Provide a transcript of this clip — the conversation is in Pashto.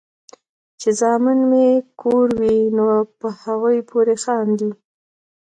چې زامن مې کور وي نو پۀ هغې پورې خاندي ـ